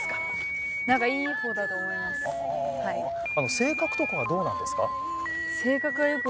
性格とかはどうなんですか？